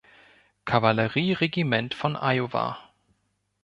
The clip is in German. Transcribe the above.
Kavallerie-Regiment von Iowa.